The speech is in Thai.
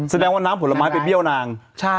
แสดงว่าน้ำผลไม้ไปเบี้ยวนาง